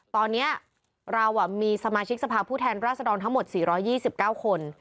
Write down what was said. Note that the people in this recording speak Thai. ตอนนี้เรามีสมาชิกสภาพผู้แทนราษฎรทั้งหมด๔๒๙คน